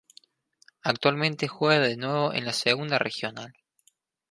Actualmente juega de nuevo en la Segunda Regional.